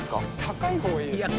高い方がいいです。